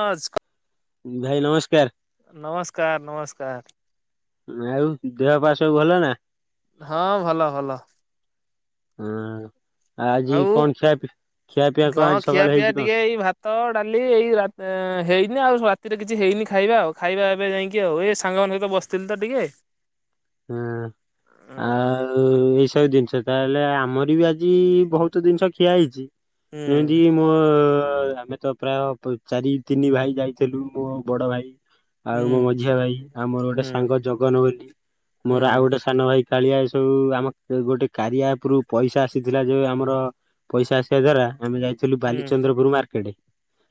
ଆଜ୍ କ ଭାଇ ନମସ୍କାର। ନମସ୍କାର ନମସ୍କାର। ଉଁ ଆଉ ଦେହ ପା ସବୁ ଭଲ ନା? ହଁ ଭଲ ଭଲ। ହଁଅ ଆଜି ଆଉ କଣ ଖିଆ ପି ଖିଆ ପିଇଆ କଣ ହଁ ଆଜି ଖିଆ ସକାଳୁ ପିଆ ହେଇଛି କଣ? ଟିକେ ଏଇ ଭାତ ଡାଲି ଏଇ ରା ହେଇନି ଆଉ ରାତିରେ କିଛି ହେଇନି ଖାଇବା ଆଉ ଖାଇବା ଏବେ ଯାଇକି ଆଉ ଏ ସାଙ୍ଗମାନଙ୍କ ସହିତ ବସ ଥିଲି ତ ଟିକେ। ହୁଁ। ହୁଁ ଆଉ ଏଇସବୁ ଜିନିଷ ତାହେଲେ ଆମର ବି ଆଜି ବହୁତ ଜିନିଷ ଖିଆ ହେଇଛି ହୁଁ। [unintelligible] ମୋ ଆମେ ତ ପ୍ରାୟ ଚାରି ତିନି ଭାଇ ଯାଇଥିଲୁ ମୋ ବଡ଼ ଭାଇ ଆଉ ମୋ ହୁଁ ମଝିଆ ଭାଇ, ଆଉ ମୋର ଗୋଟେ ହୁଁ ସାଙ୍ଗ ଜଗନ ବୋଲି, ମୋର ଆଉ ହୁଁ ଗୋଟେ ସାନ ଭାଇ କାଳିଆ ଏ ସବୁ ଆମ ଗୋଟେ କାରିଆ ଆପ ରରୁ ପଇସା ଆସିଥିଲା ଯୋଉ ଆମର ପଇସା ଆସିବା ଦ୍ଵାରା ଆମେ ଯାଇଥିଲୁ ହୁଁ ହୁଁ ବାଲିଚନ୍ଦ୍ରପୁର ମାର୍କେଟ।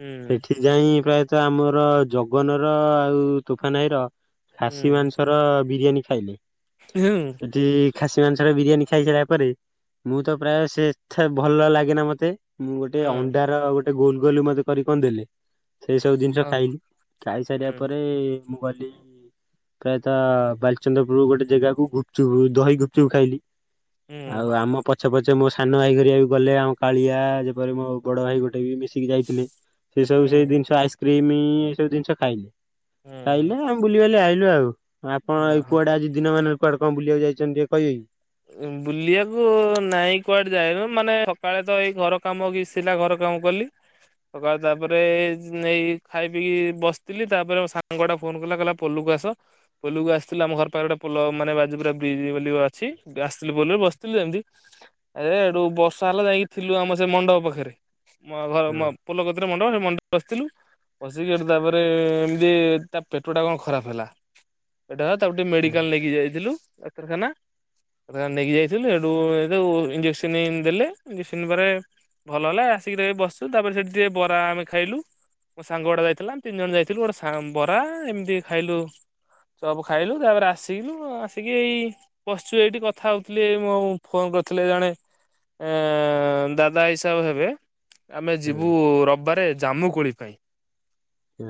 ହୁଁ ସେଠି ଯାାଇଁ ପ୍ରାୟତଃ ଆମର ଜଗନ ର ଆଉ ତୋଫାନାହି ର ଖାସି ମାଂସର ବିରିୟାନୀ ଖାଇଲେ। ହୁଁ। ସେଠି ଖାସି ମାଂସରେ ବିରିୟାନୀ ଖାଇସାରିଲା ପରେ ମୁଁ ତ ପ୍ରାୟ ସେଥେ ଭଲ ଲାଗେନା ମତେ। ମୁଁ ଗୋଟେ ଅଣ୍ଡାର ଗୋଟେ ଗୋଲ ଗୋଲ ମତେ କରିକ କଣ ଦେଲେ। ସେଇ ସବୁ ଜିନିଷ ଖାଇଲି। ଖାଇ ସାରିବା ପରେ ମୁଁ ଗଲି ପ୍ରାୟତଃ ବାଲଚନ୍ଦ୍ର ପୁର ଗୋଟେ ଜାଗାକୁ ଗୁପଚୁ ଦହି ଗୁପଚୁପ ଖାଇଲି। ହୁଁ ଆଉ ଆମ ପଛେ ପଛେ ମୋ ସାନ ଭାଇ ଘରିବା ବି ଗଲେ। ଆମ କାଳିଆ ଯେପରି ମୋ ବଡ଼ ଭାଇ ଗୋଟେ ବି ମିଶି କି ଯାଇଥିଲେ, ସେ ସବୁ ସେ ହୁଁ। ଜିନିଷ ଆଇସ୍କ୍ରିମ ଏ ସବୁ ଜିନିଷ ଖାଇଲେ। ଖାଇଲେ ହୁଁ। ଆମେ ବୁଲିବାଲି ଆଇଲୁ ଆଉ। ଆପଣ କୁଆଡେ ଆଜି ଦିନ ମାନରେ କୁଆଡ଼େ କଣ ବୁଲିବାକୁ ଯାଇଛନ୍ତି ଟିକେ କହିବେ କି? ବୁଲିବାକୁ ନାଇଁ କୁଆଡେ ଯାଇନୁ। ମାନେ ସକାଳେ ତ ଏଇ ଘର କାମ କି ଛି ଥିଲା। ଘର କାମ କଲି। ସକାଳେ ତାପରେ ଏଇ ଖାଇ ପିଇକି ବସିଥିଲି। ତାପରେ ମୋ ସାଙ୍ଗଟା ଫୋନ କଲା କହିଲା ପୋଲକୁ ଆସ। ପୋଲୁକୁ ଆସିଥିଲୁ ଆମ ଘର ପାଖରେ ଗୋଟେ ପୋଲ ମାନେ ବାଜୁପୁରା ବ୍ରିଜ୍ ବୋଲି ଅଛି। ଆସିଥିଲୁ ପୋଲରେ ବସିଥିଲୁ ଯେମିତି। ଆ ଏଠୁ ବର୍ଷା ହେଲା ଯାଇକି ଥିଲୁ ଆମ ସେ ମଣ୍ଡପ ପାଖରେ। ମୋ ଘର ହଁ ପୋଲ କତିରେ ମଣ୍ଡପ, ସେ ମଣ୍ଡପରେ ବସିଥିଲୁ। ବସିକି ହେଠି ତାପରେ ଏମିତି ତା ପେଟ ଟା କଣ ଖରାପ ହେଲା। ସେଟା ତାକୁ ଟିକେ ହଁ ମେଡିକାଲ ନେଇକି ଯାଇଥିଲୁ ଡାକ୍ତରଖାନା। ନେଇକି ଯାଇଥିଲୁ ସେଠୁ ଇଞ୍ଜେକ୍ସନ ଦେଲେ। ଇଞ୍ଜେକସନ ପରେ ଭଲ ହେଲା। ଆସିକିି ତ ଏଇ ବସିଛୁ। ତାପରେ ସେଠି ଟିକେ ବରା ଆମେ ଖାଇଲୁ। ମୋ ସାଙ୍ଗ ଗୋଟେ ଯାଇଥିଲା ଆମେ ତିନି ଜଣ ଯାଇଥିଲୁ, ଗୋଟେ ବରା ଏମିତି ଖାଇଲୁ। ସବୁ ଖାଇଲୁ ତାପରେ ଆସିଲୁ। ଆସିକି ଏଇ ବସିଛୁ ଏଇଠି କଥା ହଉଥିଲି ଏଇ ମୋ ଫୋନ କରିଥିଲେ ଜଣେ ଏ ଦାଦା ହିସାବ ହେବେ। ଆମେ ହଁ ଯିବୁ ରବିବାରେ ଜାମୁ କୋଳି ପାଇଁ। ହୁଁ।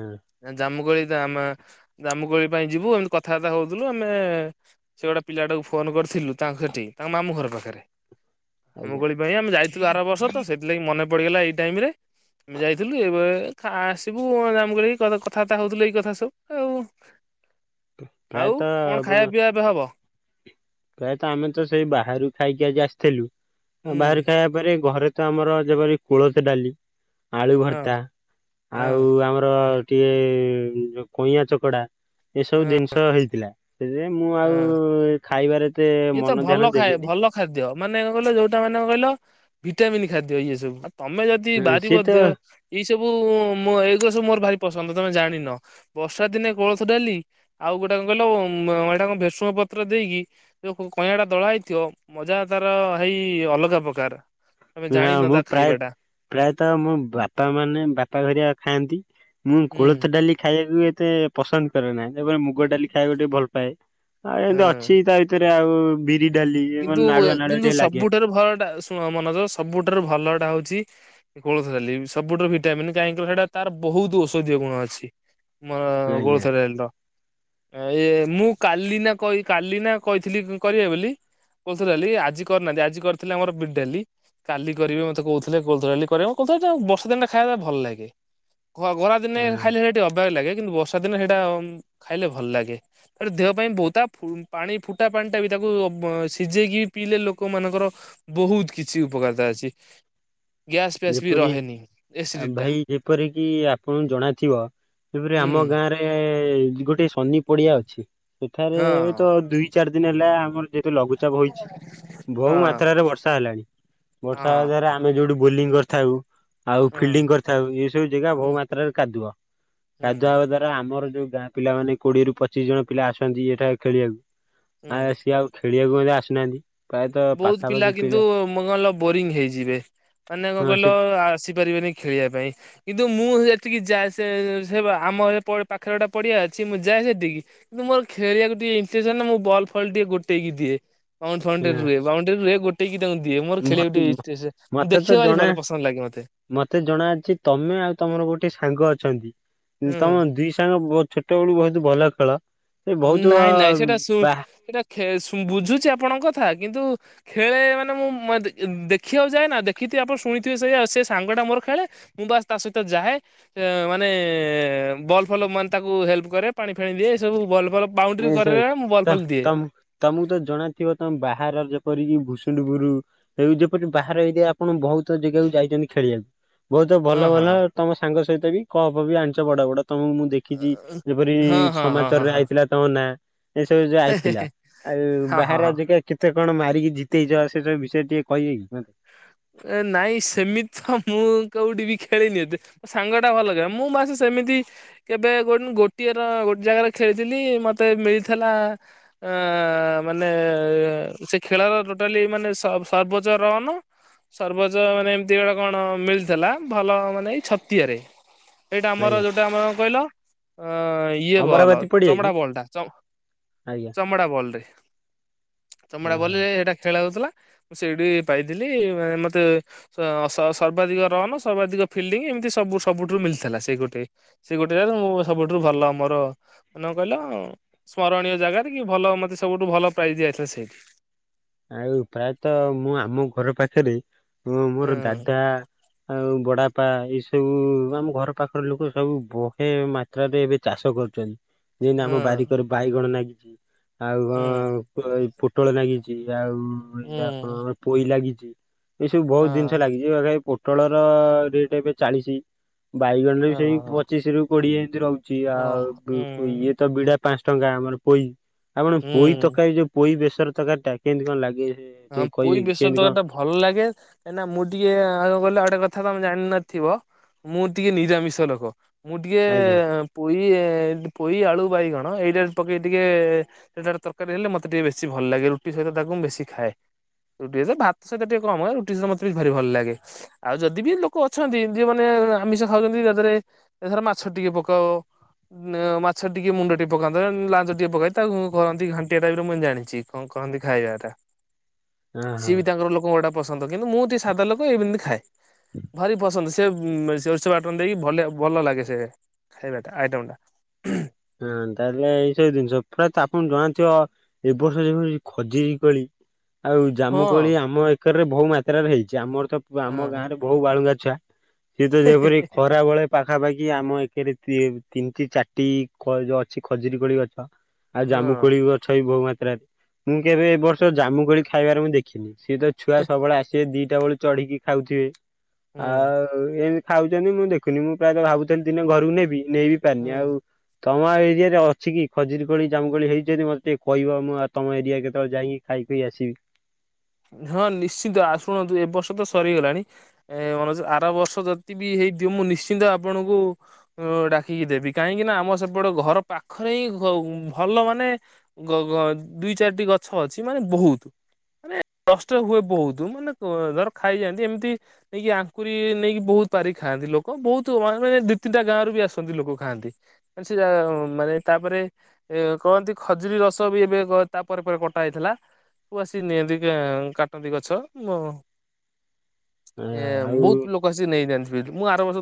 ଜାମୁଗୋଳି ଆମ ଜାମୁକୋଳି ପାଇଁ ଯିବୁ ଏମତି କଥାବାର୍ତ୍ତା ହଉଥିଲୁ। ଆମେ ସେ ଗୋଟେ ପିଲାଟାକୁ ଫୋନ କରିଥିଲୁ ତାଙ୍କୁ ସେଠି ତାଙ୍କ ମାମୁ ଘର ପାଖରେ। ଆଜ୍ଞା [unintelligible] ପାଇଁ ଆମେ ଯାଇଥିଲୁ ଆର ବର୍ଷ ତ, ସେଥିଲାଗି ମନେ ପଡିଗଲା। ଏଇ ଟାଇମ ରେ ଆମେ ଯାଇଥିଲୁ। ଏବେ ଆସିବୁ ଖା ଜାମୁ କୋଳି କଥାବାର୍ତ୍ତା ହଉଥିଲୁ ଏଇ କଥା ସବୁ ଆଉ। ଆଉ ପ୍ରାୟତଃ କଣ ଖାଇବା ପିଇବା ଏବେ ହବ? ପ୍ରାୟତଃ ଆମେ ତ ସେଇ ବାହାରୁ ଖାଇକି ଆଜି ଆସିଥିଲୁ। ଆଉ ହୁଁ ବାହାରେ ଖାଇବା ପରେ ଘରେ ତ ଆମର ଯେପରି କୁଳଥ ଡାଲି। ଆଳୁ ହଁ ଭର୍ତ୍ତା ହଁ ଆଉ ଆମର ଟିକେ ଯୋଉ କଇଁଆଁ ଚକଡା ଏସବୁ ହଁ ଜିନିଷ ହେଇଥିଲା। ସେଥିପାଇଁ ମୁଁ ଆଉ ହଁ ଖାଇବାରେ ଏତେ ଇଏ ତ ମନ ଧ୍ୟାନ ଭଲ ଖାଏ ଦେଲିନି। ଭଲ ଖାଦ୍ୟ ମାନେ କହିଲ ଯୋଉଟା ମାନେ କହିଲ ଭିଟାମିନନ୍ ଖାଦ୍ୟ ଇଏ ସବୁ। ଆଃ ତମେ ଯଦି ହଁ, ବାରିିବ ସିଏ ତ ଦେହ ଏଇ ସବୁ ଏଇଗୁ ସବୁ ମୋର ଭାରି ପସନ୍ଦ, ତମେ ଜାଣିନ ବର୍ଷା ଦିନେ କୋଳଥ ଡାଲି ଆଉ ଗୋଟେ କଣ କହିଲ ଏଇଟା କଣ ଭେଷଣ ପତ୍ର ଦେଇକି ଯୋଉ କଇଁ ଟା ଦଳା ହେଇଥିବ ମଜା ତାର ହେଇ ଅଲଗା ପ୍ରକାର। ତମେ ହଁ ଜାଣିନ ମୁଁ ତା ପ୍ରାୟ ଖାଇବାଟା ପ୍ରାୟତ ମୋ ବାପା ମାନେ ବାପା ଘରିଆ ଥାଆନ୍ତି। ମୁଁ ହୁଁ କୋଳଥ ଡାଲି ଖାଇବାକୁ ବି ଏତେ ପସନ୍ଦ କରେ ନାହିଁ ଏବଂ ମୁ ଗ ଡାଲି ଖାଇବାକୁ ଟିକେ ଭଲ ପାାଏ ଆଉ ଏମିତି ହଁ। ଅଛି ତା ଭିତରେ ଆଉ ବିରି ଡାଲି ମାନେ କିନ୍ତୁ ନାଳୁଆ ନାଳୁଆ କିନ୍ତୁ ଟିକେ ଲାଗେ। ସବୁଠାରୁ ଭଲଟାଶୁଣ ମୋନୋଜ ସଵୁଠାରୁ ଭଲଟା ହଉଛି କୋଳଥ ଡାଲି ସବୁଠୁ ଭିଟାମିନନ୍ କାହିଁକିନା ସେଇଟା ତାର ବହୁତ ଔଷଧୀୟ ଗୁଣ ଅଛି। ମୋର ଆଜ୍ଞା କୋଳଥ ଡାଲି ର। ଇ ଏ ମୁଁ କାଲି ନା କହି କାଲି ନା କହିଥିଲି କରିବେ ବୋଲି। କୋଳଥ ଡାଲି ଆଜି କରିନାହାନ୍ତି ଆଜି କରିଥିଲେ ଆମର ବିରି ଡାଲି। କାଲି କରିବେ ମତେ କହୁଥିଲେ କୋଳଥ ଡାଲି କରିବେ କୋଳଥ ଡାଲି ଟା ବର୍ଷା ଦିନ ଟା ଖାଇବାକୁ ଭଲ ଲାଗେ [unintelligible] ଦିନେ ହଁ, ଖାଇଲେ ଟିକେ ଅବାଗ ଲାଗେ କିନ୍ତୁ ବର୍ଷା ଦିନ ସେଟା ଖାଇଲେ ଭଲ ଲାଗେ। ତା ଦେହ ପାଇଁ ବହୁତ ତା ପାଣି ଫୁଟା ପାଣିଟା ବି ତାକୁ ହଁ ସିଝେଇକି ପିଇଲେ ଲୋକ ମାନଙ୍କର ବୋହୁତ କିଛି ଉପକାରତା ଅଛି। ଗ୍ୟାସ୍ ଫ୍ୟାସ୍ ବି ଯେପରି ରହେନି ଏସିଡିଟି ଟା ଭାଇ ଯେପରି କିି ଆପଣଙ୍କୁ ଜଣାଥିବ ସେପରି ଆମ ହୁଁ। ଗାଁରେ ଗୋଟେ ସନି ପଡିଆ ଅଛି ସେଠାରେ ହଁ ଏବେ ତ ଦୁଇ ଚାରି ଦିନ ହେଲା ଆମର ଯେହେତ ଲଘୁ ଚାପ ହୋଇଚି ହଁ ବହୁ ମାତ୍ରାରେ ବର୍ଷା ହେଲାଣି ହଁ ବର୍ଷା ହେବା ଦ୍ଵାରା ଆମେ ଯୋଉଠି ବୋଲିଂ କରିଥାଉ। ଆଉ ହୁଁ ଫିଲ୍ଡିଂ କରିଥାଉ ଏ ସବୁ ଜାଗା ବହୁ ହୁଁ ମାତ୍ରାରେ କାଦୁଅ ହୁଁ କାଦୁଆବା ଦ୍ଵାରା ଆମର ଯୋଉ ଗାଁ ପିଲା ମାନେ କୋଡିଏରୁ ପଚିଶ ଜଣ ପିଲା ଆସଛନ୍ତି ଏଇଟା ଖେଳିବାକୁ ଆ ହୁଁ। ସିଏ ଆଉ ଖେଳିବାକୁ ମଧ୍ୟ ଆସିନାହାନ୍ତି ପ୍ରାୟତ ପାଖାପାଖି ପିଲା ମୁ କହିଲ ବୋରିଙ୍ଗ ହେଇଯିବେ ମାନେ କଣ ହଁ କହିଲ ସେ ଆସିପାରିବେନି ଖେଳିବା ପାଇଁ। କିନ୍ତୁ ମୁଁ ସେତିକି ଯାଏ ସେ ସେ ଆମ ପାଖରେ ଗୋଟେ ପଡିଆ ଅଛି ମୁଁ ଯାଏ ସେତିକି କିନ୍ତୁ ମୋର ଖେଳିବାକୁ ଟିକେ ଇଣ୍ଟେସ ନା ମୁଁ ବଲ ଫଲ୍ ଟିକେ ଗୋଟେକି ଦିଏ ଫର୍ଣ୍ଟ ରହେ ବାଉଣ୍ଡରୀ ରୁହେ ଗୋଟେକ କି ତାଙ୍କୁ ଦି ମୋର ଖେଳିବା କୁ ଟିକେ ଇଣ୍ଟେଶ ମତେ ତ ଦେଖାର ଜଣା ଭଲ ପସନ୍ଦ ଲାଗେ ମତେ। ମତେ ଜଣାଅଛି ତମେ ଆଉ ତମର ଗୋଟେ ସାଙ୍ଗ ଅଛନ୍ତି ହୁଁ। ତମ ଦିଇ ସାଙ୍ଗ ବୋ ଛୋଟବେଳୁ ବହୁତ ଭଲ ଖେଳ ସେ ବହୁତ ବା ନାଇଁ ନାଇଁ ସେଇଟା ସୁ ବାହା ସେଇଟା ବୁଝୁଛି ଆପଣଙ୍କ କଥା କିନ୍ତୁ ଖେଳେ ମାନେ ମୁଁ ଦେଖିବାକୁ ଯାଏ ନା ଦେଖିଥିବି ଆପଣ ଶୁଣିଥିବେ ସେ ସେ ସାଙ୍ଗ ଟା ମୋର ଖେଳେ। ମୁଁ ବାସ ତା ସହିତ ଯାଏ। ଇଁ ମାନେ ବଲ୍ ଫଲ ମାନେ ତାକୁ ହେଲ୍ପ କରେ ପାଣି ଫାଣି ଦିଏ ଏ ସବୁ ବଲ୍ ଫଲ୍ ବାଉଣ୍ଡରି ସେ କରେ ମୁଁ ବଲ୍ ତ ଫଲ ଦିଏ। ତମ ତମକୁ ତ ଜଣାଥିବ ତମେ ବାହାର ଯେପରି ଭୁସୁଣ୍ଡପୁରୁ ଏଇ ଯେପରି ବାହାର ଏରିଆ ଆପଣ ବହୁତ ଜେଗାକୁ ଯାଇଛନ୍ତି ଖେଳିବାକୁ। ବହୁତ ଭଲ ହଁ ହଁ ଭଲ ହଁ ତମ ସାଙ୍ଗ ସହିତ ବି କପ୍ ବି ଆଣିଛ ବଡ ବଡ ତମକୁ ମୁଁ ଦେଖ ଖିଚି ଯେପରି ହଁ ହଁ ସମାଚାର ହଁ ରେ ହଁ ହଁ ଆଇଥିଲା ତମ ନା। ଏ ସବୁ ଯୋଉ ଆଇଥିଲା ଆଉ ହଁ ହଁ ହଁ ବାହାର ଜେଗା କେତେ କଣ ମାରିକି ଜିତେଇଛ ସେ ସବୁ ବିଷୟ ଟିକେ କହିବେକି ମତେ। ନାଇଁ ସେମିତି ତ ମୁଁ କୋଉଠି ବି ଖେଳିନି ଏତେ। ସାଙ୍ଗ ଟା ଭଲ ଖେଳେ ମୁଁ ବାସେ ସେମିତି କେବେ ଗୋ ଗୋଟିଏର ଗୋଟେ ଜାଗାରେ ଖେଳିଥିଲି ମୋତେ ମିଳିଥିଲା ଆଁ ମାନେ ସେ ଖେଳର ଟୋଟାଲି ମାନେ ସବ ସର୍ବୋଚ୍ଚ ରନ ସର୍ବୋଚ ମାନେ ଏମିତି ଗୋଟେ କଣ ମିଳିଥିଲା ଭଲ ମାନେ ଏଇ ଛତିଆରେ। ସେଇଟା ଆଜ୍ଞା। ଆମର ଯୋଉଟା ଆମର କହିଲ ଅ ଇ ଇଏ ବଲ ଅମରାବତୀ ପଡିଆ କି ଚମଡ଼ା ବଲ ଟା ଚମ୍ ଆଜ୍ଞା ଚମଡ଼ା ବଲଟେ। ହଁ ଚମଡ଼ା ବଲ ହଁ ରେ ଏଇଟା ଖେଳ ହଉଥିଲା ମୁଁ ସେଇଠି ପାଇଥିଲି ମେ ମତେ ସ ସ ସର୍ବାଧିକ ରନ ସର୍ବାଧିକ ଫିଲ୍ଡିଙ୍ଗ ଏମିତି ସବୁ ସବୁଠୁ ମିଳିଥିଲା ସେଇ ଗୋଟେ। ସେ ଗୋଟେ ଜାଗା ସବୁଠାରୁ ଭଲ ଆମର ନ କହିଲ ସ୍ମରଣୀୟ ଜାଗାରେ କି ଭଲ ମତେ ସବୁଠୁ ଭଲ ପ୍ରାଇଜ ଦିଆଯାଇଥିଲା ସେଇଠି। ଆଉ ପ୍ରାୟତ ମୁଁ ଆମ ଘର ପାଖରେ ମୁଁ ହଁ ମୋର ଦାଦା ଆଉ ବଡା ବାପା ଏଇ ସବୁ ଆମ ଘର ପାଖ ଲୋକ ସବୁ ବହେ ମା ମାତ୍ରରେ ଏବେ ଚାଷ କରୁଛନ୍ତି। ଯେ ହଁ ଆମ ବାରିକରେ ବାଇଗଣ ନାଗିଛି ଆଉ ହୁଁ କ ପୋଟଳ ନାଗି ଆଉ [unintelligible] ହୁଁ ଆପଣଙ୍କର ପୋଇ ଲାଗିଛି ଏ ସବୁ ହଁ ବହୁତ ଜିନିଷ ଲାଗି [unintelligible] ପୋଟଳ ର ରେଟ୍ ଏବେ ଚାଳିସି ବାଇଗଣରେ ବି ସେଇ ହଁ ପଚିଶ ରୁ କୋଡିଏଇ ରହୁଛି ହଁ ହୁଁ ଆଉ ଇଏ ତ ବିଡା ପାଞ୍ଚ ଟଙ୍କା ଆମର ପୋଇ ଆପଣ ପୋଇ ହୁଁ ତରକାରୀ ଯୋଉ ପୋଇ ବେସର ତରକାରୀ ଟା କେମିତି କଣ ଲାଗେ ହଁ ଟିକେ କହିବେ ପୋଇ କି ବେଶର କେମିତି କଣ? ତରକାରୀ ଟା ଭଲ ଲାଗେ କାହିଁକିନା ମୁଁ ଟିକେ ଆଗ୍ କହିଲ ଗୋଟେ କଥା ତମେ ଜାଣିନଥିବ। ମୁଁ ଟିକେ ନିରାମିଷ ଲୋକ ମୁଁ ଟିକେ ଆଜ୍ଞା ପୋଇ ପୋଇ ଆଳୁ ବାଇଗଣ ଏଇଟାରେ ପକେଇ ଟିକେ ସେଟା ତରକାରୀ ହେଲେ ମତେ ଟିକେ ବେଶୀ ଭଲ ଲାଗେ ରୁଟି ସହିତ ତାକୁ ମୁ ବେଶୀ ଖାଏ। ରୁଟି ଭାତ ସହିତ ଟିକେ କମ ରୁଟି ସତ ମତେ ବି ଭାରି ଭଲ ଲାଗେ। ଆଉ ଯଦି ବି ଲୋକ ଅଛନ୍ତି ଯିଏ ମାନେ ଆମିଷ ଖାଉଛନ୍ତି ଯ ଦେହରେ। ଏଥର ମାଛ ଟିକେ ପକାଅ। ମାଛ ଟିକେ ମୁଣ୍ଡ ଟିକେ ପକାନ୍ତ ଲାଞ୍ଜ ଟିକେ ପକା ତାକୁ କରନ୍ତି ଘାଣ୍ଟିଆ ଟାଇପରେ ମୁଁ ଜାଣିଛି। କଣ କହନ୍ତି ଖାଇବା ଟା। ହଁ ସିଏ ହଁ ବି ତାଙ୍କର ଲୋକଙ୍କ ଗୋଟେ ପସନ୍ଦ କିନ୍ତୁ ମୁଁ ଟିକେ ସାଧା ଲୋକ ଏମିତି ଖାଏ ଭାରି ପସନ୍ଦ ସେ ସେ ସୋର୍ଷ ବାଟନ ଦେଇକି ଭ ଭଲ ଲାଗେ ସେ ଖାଇବାଟା ଆଇଟମ ଟା। ହଁ ତାହେଲେ ଏଇସବୁ ଜିନିଷ [unintelligible] ଜଣାଥିବ। ଏ ବର୍ଷ ଯେଭଳି ଖଯୁରି କୋଳି। ଆଉ ହଁ ଜାମୁକୋଳି ଆମ ଏକରରେ ବହୁ ମାତ୍ରାରେ ହେଇଛି ଆମର ତ ଆମ ହଁ ଗାଁରେ ବୋହୁ ବାଳୁଙ୍ଗା ଛୁଆ ସିଏ ତ ଯେପରି ଖରା ବେଳେ ପାଖାପାଖି ଆମ ଏକରେ ତିନିଟି ଚାରିଟି କ ଯୋଉ ଅଛି ଖଜୁରୀ କୋଳି ଗଛ। ଆଉ ହଁ ଜାମୁ କୋଳି ଗଛ ବି ବହୁ ମାତ୍ରାରେ ମୁଁ କେବେ ଏ ବର୍ଷ ଜାମୁ କୋଳି ଖାଇବାରେ ମୁଁ ଦେ ଦେଖିନି ସିଏ ତ ଛୁଆ ସବୁବେଳେ ଆସିବେ ଦିଟା ବେଳୁ ଚଢିକି ଖାଉଥିବେ ହୁଁ ଆଉ ଆଉ ଏମିତି ଖାଉଛନ୍ତି ମୁଁ ଦେଖୁନି ମୁଁ ପ୍ରାୟତଃ ଭାବୁଥିଲି ଦିନେ ଘରକୁ ନେବି ନେଇ ବିି ପାରିନି ହୁଁ ଆଉ ତମ ଏରିଆରେ ଅଛି କି ଖୋଜୁରି କୋଳି ଜାମୁକଳି ହେଇଛନ୍ତି ମତେ ଟିକେ କହିବ ମୁଁ ଆଉ ତମ ଏରିଆ କେତେବେଳେ ଯାଇକି ଖାଇ ପି ଆସିବି। ହଁ ନିଶ୍ଚିନ୍ତ ଆ ଶୁଣନ୍ତୁ ଏ ବର୍ଷ ତ ସରିଗଲାଣି। ଏ ମନସ ଆର ବର୍ଷ ଯତି ବି ହେଇଥିବ ମୁଁ ନିଶ୍ଚିନ୍ତ ଆପଣଙ୍କୁ ଡାକିକି ଦେବି କାହିଁକି ନା ଆମ ସେପଟେ ଘର ପାଖରେ ହିଁ ଘ ଭଲ ମାନେ ଗ ଗ ଦୁଇ ଚାରିଟି ଗଛ ଅଛି ମାନେ ବହୁତ ମାନେ କଷ୍ଟ ହୁଏ ବହୁତ ମାନେ ଧର ଖାଇଯାଆନ୍ତି ଏମିତି ନେଇକି ଆଙ୍କୁରି ନେଇକି ବହୁତ ପାରି ଖାଆନ୍ତି ଲୋକ ବହୁତ ମାନେ ଦି ତିନିଟା ଗାଁରୁ ବି ଆସନ୍ତି ଲୋକ ଖାଆନ୍ତି। ସେ ଯା ମାନେ ତାପରେ ଏ କହନ୍ତି ଖଜୁରୀ ରସ ବି ଏବେ ତାପରେ ପରେ କଟା ହେଇଥିଲା ସୁ ଆସିିକି ନିଅନ୍ତି। ଇଏ କାଟନ୍ତି ଗଛ ହଁ ଏ ଆଉ ବହୁତ ଲୋ ଆସି ନେଇଯାଆନ୍ତି ମୁଁ ଆର ବର୍ଷ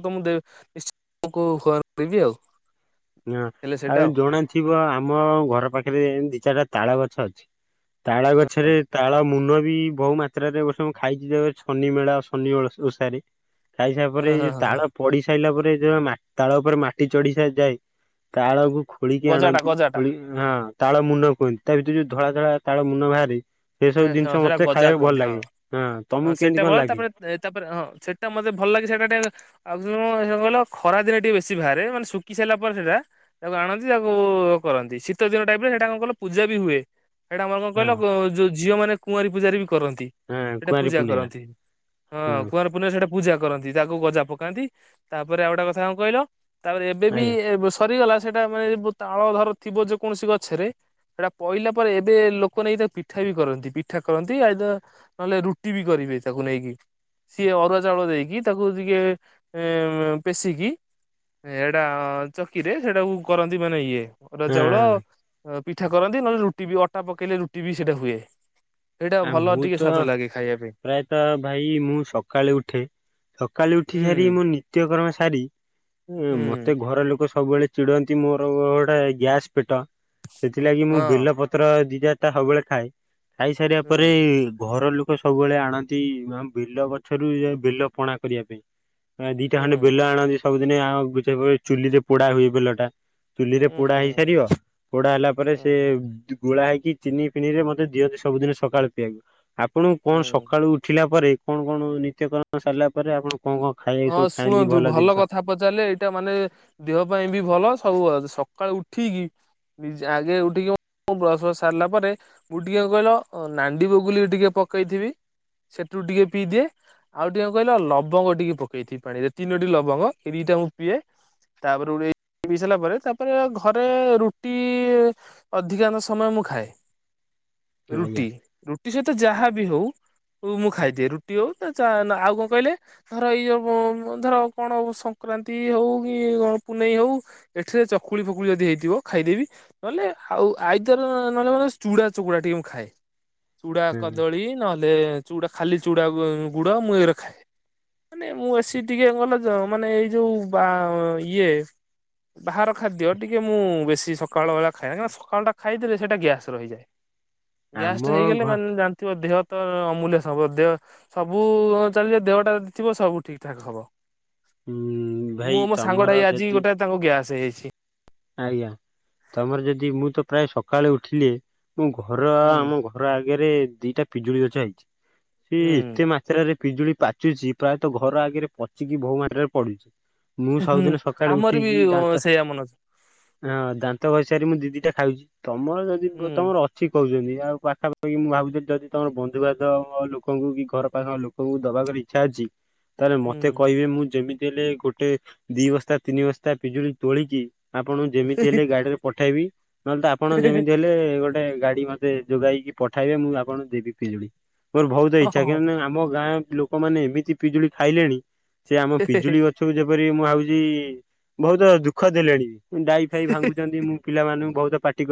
[unintelligible] କରିଦେବି ଆଉ। ହଁ ହେଲେ ସେଇଟା ଆଉ ଜଣା ଥିବ ଆମ ଘର ପାଖରେ ଦି ଚାରିଟା ତାଳ ଗଛ ଅଛି। ତାଳ ଗଛରେ ତାଳ ମୁନ ବି ବହୁ ମା ତ୍ରା ରେ ଗୋଟେ ସବୁ ଖାଇଛି ଶନି ମେଳା ଆଉ ଶନି ଓଷାରେ ଖାଇସାରା ହଁ ପରେ ଏଇ ହଁ ଯଉ ହଁ ତାଳ ପଡି ସାଇଲା ପରେ ଯ ମା ତାଳ ଉପରେ ମାଟି ଚଢି ଯାଏ। ତାଳକୁ ଖୋଳିକି ଗଜାଟା ଆଣନ୍ତି, ଗଜାଟା ଖୋଳି ହଁ ତାଳ ମୁନ କୁହନ୍ତି, ତା ଭିତରେ ଯୋଉ ଧଳା ଧଳା ତାଳ ମୁନ ବାହାରି ସେ ସବୁ ହଁ ଜିନିଷ ସେଇଟା ମତେ ଗଜା ଖାଇବାକୁ ଭଲ କୁହନ୍ତି ହଁ। ଲାଗେ, ହଁ ତମକୁ ସେଇଟା କେମିତି ଭଲ କଣ ଲାଗେ? ତାପରେ ତାପରେ ହଁ ସେଟା ମତେ ଭଲ ଲାଗେ ସେଟା ଟିକେ ଆଉ କହିଲ ଖରା ଦିନେ ଟିକେ ବେଶୀ ବାହାରେ ମାନେ ଶୁକି ସାଇଲା ପରେ ସେଟା ତାକୁ ଆଣନ୍ତି ତାକୁ କରନ୍ତି ଶୀତ ଦିନ ଟାଇପ ରେ ହେଟା କଣ କହିଲ ପୂଜା ବି ହୁଏ। ସେଟା ଆମର ହଁ କଣ କହିଲ ଯୋଉ ଝିଅ ମାନେ କୁଆଁରୀ ପୂଜାରୀ ବି କରନ୍ତି। ହଁ ସେଟା କୁଆଁରୀ ପୂଜା ପୂର୍ଣ୍ଣିମା କରନ୍ତି, ହଁ କୁଆଁର ପୁନେ ସେଟା ପୂଜା କରନ୍ତି, ତାକୁ ଗଜା ପକାନ୍ତି ତାପରେ ଆଉ ଗଟେ କଥା କଣ କହିଲ ତାପରେ ଏବେ ଆଜ୍ଞା ବି ସରିଗଲା ସେଇଟା ମାନେ ତାଳ ଧର ଥିବ ଯେକୌଣସି ଗଛରେ ସେଟା ପଇଲା ପରେ ଏବେ ଲୋକ ନେଇ ତାକୁ ପି ପିଠା ବି କରନ୍ତି, ପିଠା କରନ୍ତି ଆଇଦ ନହେଲେ ରୁଟି ବି କରିବେ ତାକୁ ନେଇକି। ସିଏ ଅରୁଆ ଚାଉଳ ଦେଇକି ତାକୁ ଟିକେ ପେଷିକି ଏଟା ଚକିରେ ସେଇଟାକୁ କରନ୍ତି ମାନେ ଇଏ। ଅରୁଆ ଚାଉଳ ହଁ ପିଠା କରନ୍ତି, ନହେଲେ ରୁଟି ବି ଅଟା ପକେଇଲେ ରୁଟି ବି ସେଇଟା ହୁଏ। ସେଇଟା ଆ ଭଲ ମୁଁ ଟିକେ ତ ସ୍ଵାଦ ଲାଗେ ଖାଇ ପ୍ରାୟତଃ ଭାଇ ମୁଁ ସକାଳୁ ଉଠେ, ସକାଳୁ ଉଠି ସାରି ହୁଁ ମୁଁ ନି ତ୍ୟ କର୍ମ ସାରୀ ହୁଁ ମତେ ଘର ଲୋକ ସବୁବେଳେ ଚିଡନ୍ତି ମୋର ଗୋଟେ ଗ୍ୟାସ୍ ପେଟ ସେଥିଲାଗି ମୁଁ ହଁ। ବେଲ ପତ୍ର ଦି ଚାଟା ସବୁବେଳେ ଖାଏ, ଖାଇ ତା ହୁଁ ପରେ ଘର ଲୋକ ସବୁବେଳେ ଆଣନ୍ତି ଆ ବେଲ ଗଛରୁ ବେଲ ପଣା କରିବା ପାଇଁ। ଦିଟା ହୁଁ ଖଣ୍ଡେ ବେଲ ଆଣନ୍ତି ସବୁଦିନେ ଆଉ ସେ ଚୁଲିରେ ପୋଡା ହୁଏ ବେଲ ଟା। ଚୁଲିରେ ହୁଁ ପୋଡା ହେଇ ରିବ ପୋଡା ହେଲା ପରେ ହୁଁ ସେ ହୁଁ ଗୋଳା ହେଇକି ଚିନି ଫିନିରେ ମତେ ଦିଅନ୍ତି ସବୁଦିନ ସକାଳୁ ପିଇବାକୁ ଆପଣଙ୍କୁ କଣ ହୁଁ। ସକାଳୁ ଉଠିଲା ପରେ କଣ କଣ ନିତ୍ୟକରମ ସାରିଲା ପରେ ଆପଣ କଣ କଣ ଖାଇବା ହଁ ସବୁ ଖାଇନ୍ତି ଶୁଣନ୍ତୁ ଭଲ ଜିନିଷ? କଥା ପଚାରିଲେ ଏଇଟା ମାନେ ଦେହ ପାଇଁ ବି ଭଲ ସବୁ ସକାଳୁ ଉଠିକି ଆଗେ ଉଠିକି ବ୍ରସ ବ୍ରସ ସାରିଲା ପରେ ଉ ଟିକେ କହିଲ ନାଣ୍ଡି ବଗୁଲିିକି ଟିକେ ପକେଇଥିବି। ସେଥୁରୁ ଟିକେ ପିଇଦିଏ ଆଉ ଟିକେ କହିଲ ଲ ବଙ୍ଗ ଟିକେ ପକେଇ ଥିବି ପାଣିରେ ତିନୋଟି ଲବଙ୍ଗ ଏ ଦିଟା ମୁଁ ପିଏ। ତାପରେ [unintelligible] ସାରିଲା ପରେ ତାପରେ ଘରେ ରୁଟି ଅଧିକାଂଶ ସମୟ ମୁଁ ଖାଏ ଆଜ୍ଞା ରୁଟି। ରୁଟି ସହିତ ଯାହାବି ହଉ ମୁଁ ଖାଇଦିଏ ରୁଟି ହଉ ଆଉ କଣ କହିଲେ ଧର ଏଇ ଯୋ ଧର କଣ ସଂକ୍ରାନ୍ତି ହଉ କି ପୁନେଇ ହଉ। ଏଥିରେ ଚକୁଳି ଫକୁଳି ଯଦି ହେଇଥିବ ଖାଇଦେବି। ନହେଲେ ଆଉ ଆଇଦର ନହେଲେ ମାନେ ଚୁଡା ଚକୁଡା ଟିକେ ମୁଁ ଖାଏ। ଚୁଡା କଦଳୀ ନହେଲେ ଚୁ ଖାଲି ଚୁଡା ଗୁଡ ମୁଁ ଏ ରା ଖାଏ। ମାନେ ମୁଁ ଆସି ଟିକେ କଲ ମାନେ ଏଇ ଯୋଉ ବା ଇଏ ବାହାର ଖାଦ୍ୟ ଟିକେ ମୁଁ ବେଶୀ ସକାଳ ବେଳା ଖାଏନା, ସକାଳଟା ଖାଇଦେଲେ ସେଟା ଗ୍ୟାସ୍ ରହିଯାଏ। ଗ୍ୟାସ ଆମ ଟା ଘ ହେଇଗଲେ ମାନେ ଜାଣି ଥିବ ଦେହ ତ ଅମୂଲ୍ୟ ସବ ଦେହ ସବୁ ଚାଲିଯିବ ଦେହଟା ଥିବ ସବୁ ଠିକ୍ ଠାକ୍ ହବ। ଉଁ ଭାଇ ମୁଁ ମୋ ତମର ସାଙ୍ଗଟାଇ ଆଜି ଯଦି ଗୋଟେ ତାଙ୍କୁ ଗ୍ୟାସ୍ ହେଇଯାଇଚି। ଆଜ୍ଞା। ତମର ଯଦି ମୁଁ ତ ପ୍ରାୟ ସକାଳେ ଉଠିଲି ମୁଁ ଘର ହୁଁ ଆମ ଘ ଘର ଆଗରେ ଦିଟା ପିଜୁଳି ଗଛ ହେଇଚି। ହୁଁ ସିଏ ଏତେ ମା ସେରାରେ ପିଜୁଳି ପାଚୁଚି ପ୍ରାୟତଃ ଘର ଆଗରେ ପଚିକି ବହୁ ମାତ୍ରାରେ ପଡୁଚି। ମୁଁ ହୁଁ। ସବୁଦିନ ସକାଳେ ଆମର ବି ଉଠିକି ଦାନ୍ତ [unintelligible] ହଁ ଦାନ୍ତ ଘସି ସାରି ମୁଁ ଦି ଦିଟା ଖାଉଚି। ହୁଁ ଛି କହୁଛନ୍ତିମ ଆଉ ପାଖାପାଖି ମୁଁ ଭାବୁଚି ଯଦି ତମର ବନ୍ଧୁବାନ୍ଧବ ଲୋକଙ୍କୁ କି ଘର ପାଖ ଲୋ କ ଙ୍କୁ ଦବା କରି ଇଚ୍ଛା ଅଛି ତାହେଲେ ମତେ ହୁଁ କହିବେ ମୁଁ ଯେମିତି ହେଲେ ଗୋଟେ ଦି ବସ୍ତା ତିନି ବସ୍ତା ପିଜୁଳି ତୋଳିକି ଆପଣ ଙ୍କୁ ଯେମିତି ହେଲେ ଗାଡିରେ ପଠେଇବି। ନହେଲେ ତ ଆପଣ ଯେମିତି ହେଲେ ଗୋ ଗୋଟେ ଗାଡି ମତେ ଯୋଗାଇକି ପଠାଇବେ ମୁଁ ଆପଣଙ୍କୁ ଦେବି ପିଜୁଳି। ମୋର ବହୁତ୍ ଇଚ୍ଛା। ହଁ। କିନ୍ତୁ ଆମ ଗାଁ ଲୋକମାନେ ଏମିତି ପିଜୁଳି ଖାଇଲେଣି ସେ ଆମ ପିଜୁଳି ଗଛକୁ ଯେପରି ମୁଁ ଭାବୁଚି ବହୁତ ଦୁଃଖ ଦେଲେଣି ବି। ଡାହି ଫାଇ ଭାଙ୍ଗୁଛନ୍ତି ମୁଁ ପିଲାମାନଙ୍କୁ ବହୁତ ପାଟି କରୁ